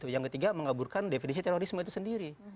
yang ketiga mengaburkan definisi terorisme itu sendiri